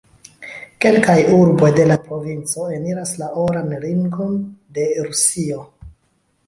Kelkaj urboj de la provinco eniras la Oran Ringon de Rusio.